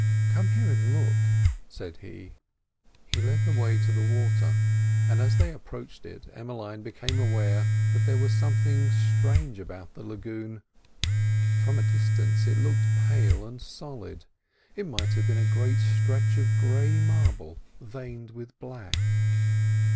"Come here and look," said he. He led the way to the water; and as they approached it, Emmeline became aware that there was something strange about the lagoon. From a distance it looked pale and solid; it might have been a great stretch of grey marble veined with black.